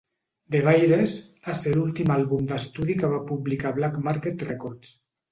"The virus" a ser l'últim àlbum d'estudi que va publicar Black Market Records.